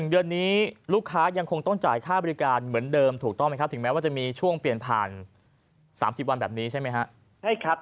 เดือนนี้ลูกค้ายังคงต้องจ่ายค่าบริการเหมือนเดิมถูกต้องไหมครับถึงแม้ว่าจะมีช่วงเปลี่ยนผ่าน๓๐วันแบบนี้ใช่ไหมครับ